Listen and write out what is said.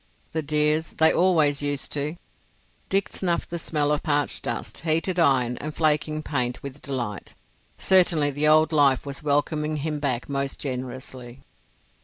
"The dears—they always used to!" Dick snuffed the smell of parched dust, heated iron, and flaking paint with delight. Certainly the old life was welcoming him back most generously.